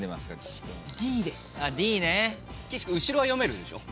後ろは読めるでしょ？